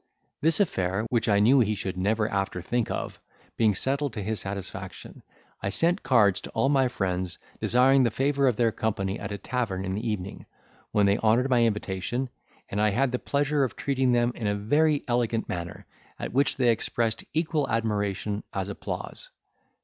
This affair, which I knew he should never after think of, being settled to his satisfaction, I sent cards to all my friends, desiring the favour of their company at a tavern in the evening, when they honoured my invitation, and I had the pleasure of treating them in a very elegant manner, at which they expressed equal admiration as applause.